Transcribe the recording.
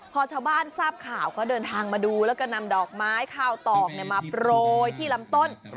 พอชาวบ้านทราบข่าวก็เดินทางมาดูแล้วก็นำดอกไม้ข้าวตอกมาโปรยที่ลำต้น